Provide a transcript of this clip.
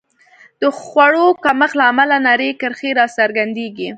د خوړو کمښت له امله نرۍ کرښې راڅرګندېږي.